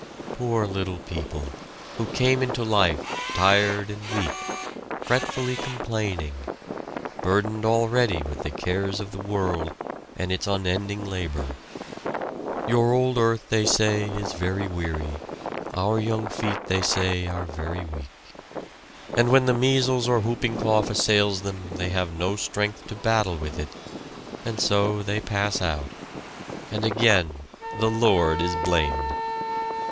Poor little people, who came into life, tired and weak, fretfully complaining, burdened already with the cares of the world and its unending labor Your old earth, they say, is very weary; Our young feet, they say, are very weak, and when the measles or whooping cough assails them they have no strength to battle with it, and so they pass out, and again the Lord is blamed!